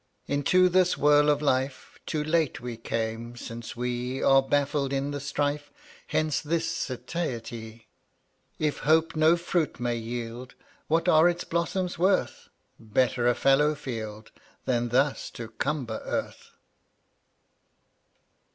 152 Into this whirl of life Too late we came, since we Are baffled in the strife; Hence this satiety. If hope no fruit may yield What are its blossoms worth? Better a fallow field Than thus to cumber earth.